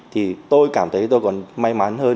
thì tôi cảm thấy tôi còn may mắn hơn